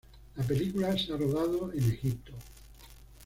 La película se ha rodado en Egipto.